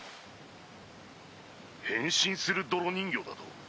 変身する泥人形だと？